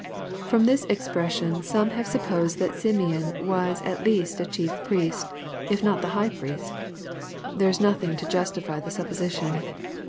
] From this expression some have sup posed that Simeon was at least a chief priest, if not the high priest There is nothing to justify the supposition.